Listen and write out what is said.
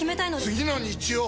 次の日曜！